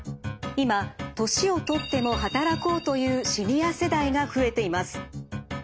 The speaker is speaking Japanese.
今年を取っても働こうというシニア世代が増えています。